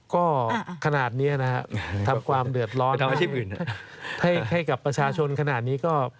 ก็ขนาดนี้นะครับทำความเดือดร้อนให้กับประชาชนขนาดนี้ก็